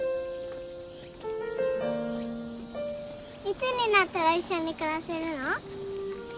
いつになったら一緒に暮らせるの？